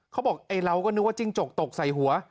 เขาบอกไอ้เราก็นึกว่าจิ้งจกตกใส่หัว